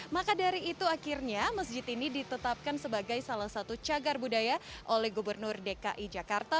maka dari itu akhirnya masjid ini ditetapkan sebagai salah satu cagar budaya oleh gubernur dki jakarta